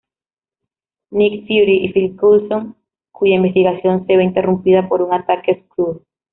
Nick Fury y Phil Coulson, cuya investigación se ve interrumpida por un ataque Skrull.